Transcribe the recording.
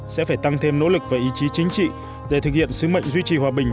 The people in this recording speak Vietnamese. sẽ phải tăng thêm nỗ lực và ý chí chính trị để thực hiện sứ mệnh duy trì hòa bình